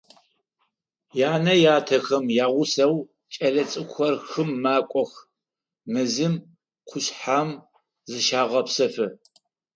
Янэ-ятэхэм ягъусэу кӏэлэцӏыкӏухэр хым макӏох, мэзым, къушъхьэм зыщагъэпсэфы.